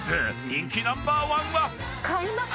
人気ナンバー１は？